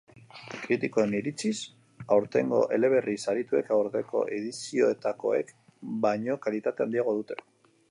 Kritikoen irirtziz, aurtengo eleberri sarituek aurreko edizioetakoek baino kalitate handiagoa dute.